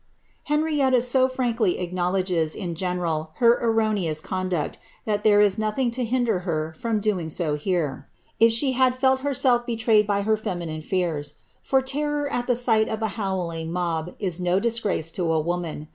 Henrietta so frankly acknow ledges, in general, her erroneous conduct, that there is nothing to hin der her from doing so here, if she had felt herself betrayed by her femi nine fears ; for terror at the sight of a howling mob is no disgrace to t woman.